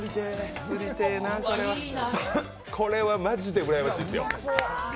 これはマジでうらやましいですよ。